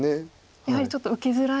やはりちょっと受けづらい。